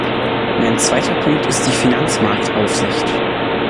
Mein zweiter Punkt ist die Finanzmarktaufsicht.